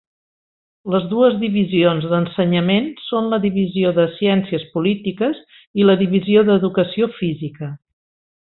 Les dues divisions d'ensenyament són la Divisió de Ciències Polítiques i la Divisió d'Educació Física.